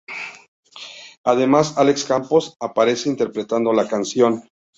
Además, Alex Campos aparece interpretando la canción.